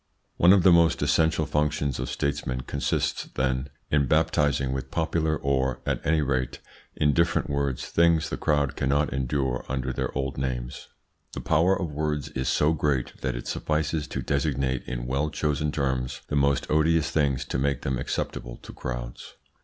One of the most essential functions of statesmen consists, then, in baptizing with popular or, at any rate, indifferent words things the crowd cannot endure under their old names. The power of words is so great that it suffices to designate in well chosen terms the most odious things to make them acceptable to crowds.